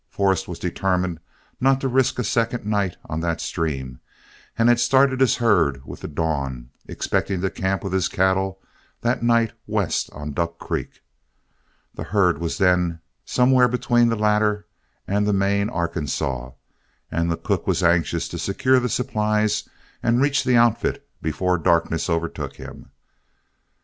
Forrest was determined not to risk a second night on that stream, and had started his herd with the dawn, expecting to camp with his cattle that night west on Duck Creek. The herd was then somewhere between the latter and the main Arkansaw, and the cook was anxious to secure the supplies and reach the outfit before darkness overtook him.